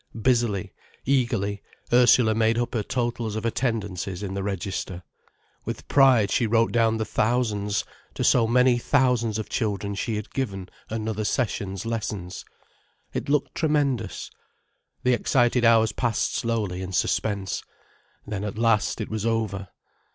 Busily, eagerly, Ursula made up her totals of attendances in the register. With pride she wrote down the thousands: to so many thousands of children had she given another sessions's lessons. It looked tremendous. The excited hours passed slowly in suspense. Then at last it was over.